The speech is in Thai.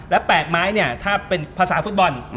และแปลกไม้เนี่ยถ้าเป็นภาษาฟุตบอล